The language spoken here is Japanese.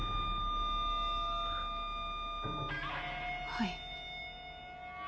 はい。